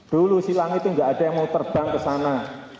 dulu silangit itu nggak ada yang mau terbang kesana